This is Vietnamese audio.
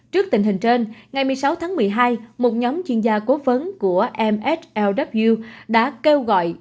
trước tình hình trên ngày một mươi sáu tháng một mươi hai một nhóm chuyên gia cố vấn của mslw đã kêu gọi